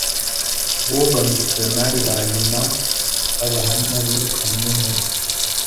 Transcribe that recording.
bo bamisiyonari ba nyuma b Abahamya birukanywe muri